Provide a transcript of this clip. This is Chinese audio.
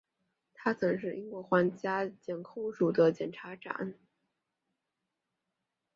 他曾是英国皇家检控署的检察长。